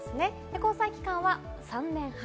交際期間は３年半。